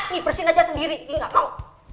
nanti persin aja sendiri ini gak mau